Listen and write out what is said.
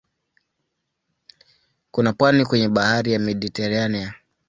Kuna pwani kwenye bahari ya Mediteranea.